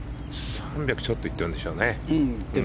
３００ちょっといってるでしょうね。